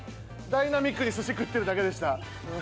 ダイナミックにすし食ってるだけでした。